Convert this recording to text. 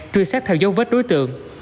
truy sát theo dấu vết đối tượng